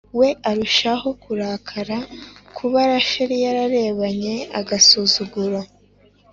We arushaho kurakara kuba rachel yararebanye agasuzuguro